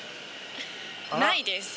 ないです。